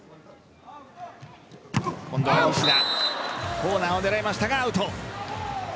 コーナーを狙いましたが、アウト。